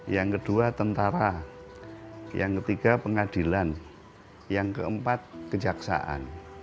yang kedua tentara yang ketiga pengadilan yang keempat kejaksaan